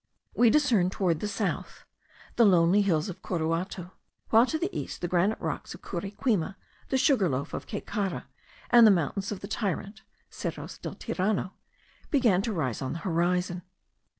We discerned towards the south the lonely hills of Coruato; while to the east the granite rocks of Curiquima, the Sugar Loaf of Caycara, and the mountains of the Tyrant* (Cerros del Tirano) began to rise on the horizon.